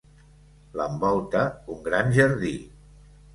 L'envolta un gran jardí.